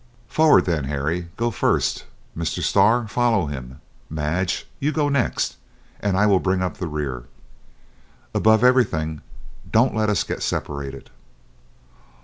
Forward then! Harry, go first. Mr. Starr, follow him. Madge, you go next, and I will bring up the rear. Above everything, don't let us get separated."